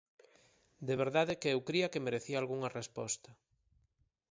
De verdade que eu cría que merecía algunha resposta.